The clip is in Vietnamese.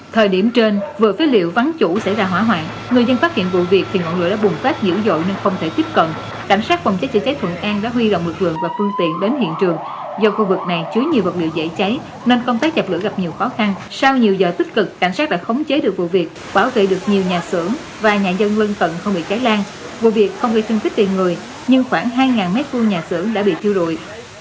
thời điểm trên vừa phế liệu vắng chủ xảy ra hỏa hoạn người dân phát hiện vụ việc thì ngọn lửa đã bùng phát dữ dội nên không thể tiếp cận cảnh sát phòng chế chế chế thuận an đã huy rộng lực lượng và phương tiện đến hiện trường do khu vực này chứa nhiều vật liệu dễ cháy nên công tác chạp lửa gặp nhiều khó khăn sau nhiều giờ tích cực cảnh sát đã khống chế được vụ việc bảo vệ được nhiều nhà xưởng và nhà dân lân tận không bị cháy lan vụ việc không gây thương thích tiền người nhưng khoảng hai m hai nhà xưởng đã bị thiêu rụi